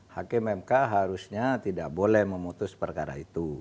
hakim mk harusnya tidak boleh memutus perkara itu